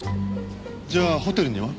じゃあホテルには？